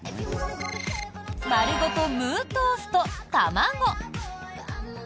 まるごとムートーストたまご。